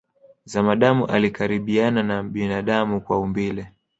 Zamadamu alikaribiana na binadamu kwa umbile